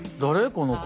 この子。